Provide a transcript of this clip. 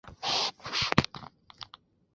斯佩尔林加城堡是意大利米兰的一座城堡。